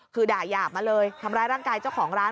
คือด่ายาบมาเลยทำร้ายร่างกายเจ้าของร้าน